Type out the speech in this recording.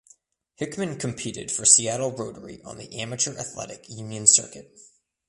Hickman competed for Seattle Rotary on the Amateur Athletic Union circuit.